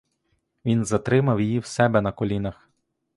Він затримав її в себе на колінах.